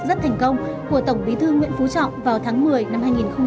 rất thành công của tổng bí thư nguyễn phú trọng vào tháng một mươi năm hai nghìn một mươi ba